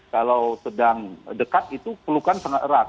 kalau sedang dekat itu pelukan sangat erat